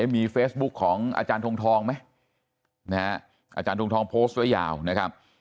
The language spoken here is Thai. มีเฟซบุ๊คของอาจารย์ทรงทองไหมนะฮะอาจารย์ทรงทองโพสต์ไว้ยาวนะครับ